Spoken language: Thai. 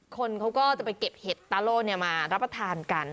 คนเขาก็จะไปเก็บเห็ดตาโล่มารับประทานกัน